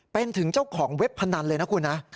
เป็นถึงเจ้าของเว็บพนันเลยนะคุณนะ